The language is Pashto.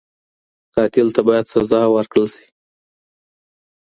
قاتل ته باید سزا ورکړل سي.